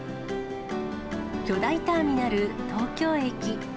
巨大ターミナル、東京駅。